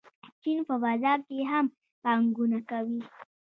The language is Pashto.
چین په فضا کې هم پانګونه کوي.